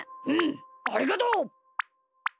うんありがとう！